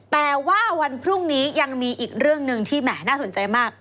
แต่ว่าวันพรุ่งนี้ยังมีอีกเรื่องหนึ่งที่แหมน่าสนใจมาก